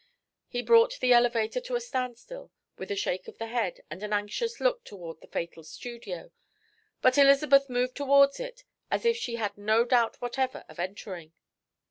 He brought the elevator to a stand still, with a shake of the head and an anxious look towards the fatal studio, but Elizabeth moved towards it as if she had no doubt whatever of entering.